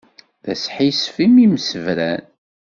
D asḥissef imi msebran.